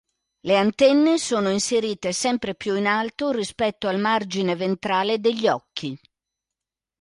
Le antenne sono inserite sempre più in alto rispetto al margine ventrale degli occhi.